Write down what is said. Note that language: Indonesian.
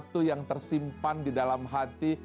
sesuatu yang tersimpan di dalam hati